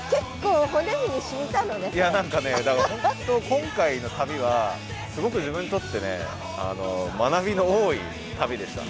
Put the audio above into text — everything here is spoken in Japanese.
今回の旅はすごく自分にとって学びの多い旅でした。